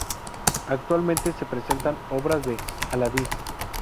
Actualmente se representan obras de "Aladdin".